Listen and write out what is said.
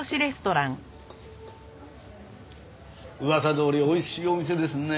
噂どおりおいしいお店ですね。